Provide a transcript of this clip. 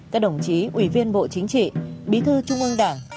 các đồng chí ủy viên bộ chính trị bí thư trung ương đảng